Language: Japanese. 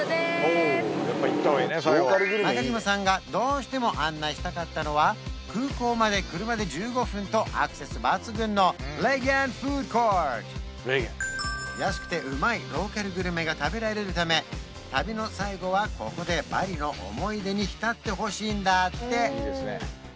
中嶋さんがどうしても案内したかったのは空港まで車で１５分とアクセス抜群のレギャンフードコート安くてうまいローカルグルメが食べられるため旅の最後はここでバリの思い出に浸ってほしいんだって